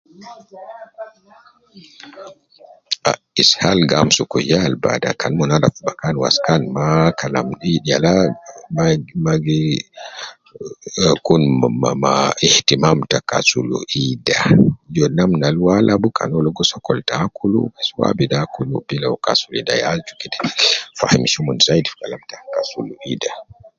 Ah ishal gi amsuku yal bada kan omon alab fi bakan wasakan ma ,kalam yala ma ma gi uh kun ma, ma ishtimam ta kasul ida, ndyo namna al uwo alab, kan uwo logo sokol te akulu, bes uwo abidu akul bila kasul ida, ya aju kede gi famisha omon zaidi fi kalam ta kasul ida